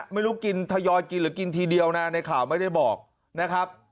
ไม่รู้กินทยอยกินหรือกินทีเดียวนะในข่าวไม่ได้บอกนะครับ